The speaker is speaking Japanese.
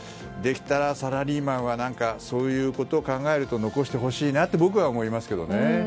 できたらサラリーマンはそういうことを考えると残してほしいなって僕は思いますけどね。